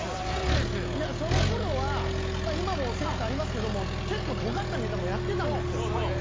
そのころは今もセンスありますけど結構とがったネタもやってたんですよ。